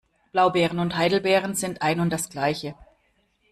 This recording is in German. Blaubeeren und Heidelbeeren sind ein und das Gleiche.